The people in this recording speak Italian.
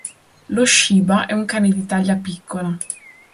Lo shiba è un cane di taglia piccola.